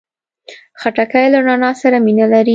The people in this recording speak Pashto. خټکی له رڼا سره مینه لري.